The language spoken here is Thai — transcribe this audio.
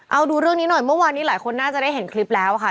เอาดูเรื่องนี้หน่อยเมื่อวานนี้หลายคนน่าจะได้เห็นคลิปแล้วค่ะ